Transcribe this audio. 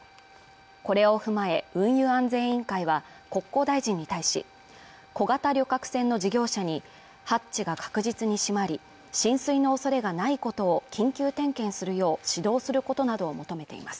これを踏まえ運輸安全委員会は国交大臣に対し小型旅客船の事業者にハッチが確実に閉まり浸水のおそれがないことを緊急点検するよう指導することなどを求めています